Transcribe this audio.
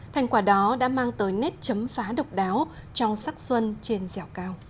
thành quả đó đã mang tới nét chấm phá độc đáo cho sắc xuân trên dẻo cao